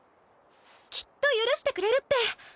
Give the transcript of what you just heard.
きっと許してくれるって。